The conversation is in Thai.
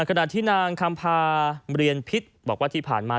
ขณะที่นางคำพาเรียนพิษบอกว่าที่ผ่านมา